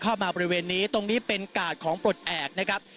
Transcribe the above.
บริเวณนี้ตรงนี้เป็นกาดของปลดแอบนะครับ